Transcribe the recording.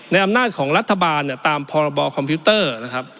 อำนาจของรัฐบาลเนี่ยตามพรบคอมพิวเตอร์นะครับ